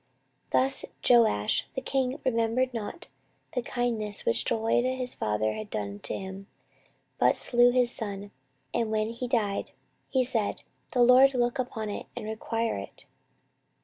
14:024:022 Thus Joash the king remembered not the kindness which Jehoiada his father had done to him, but slew his son. And when he died, he said, The LORD look upon it, and require it.